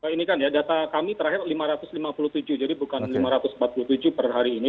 ini kan ya data kami terakhir lima ratus lima puluh tujuh jadi bukan lima ratus empat puluh tujuh per hari ini